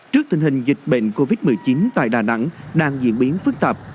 trước tình hình dịch bệnh covid một mươi chín tại đà nẵng đang diễn biến phức tạp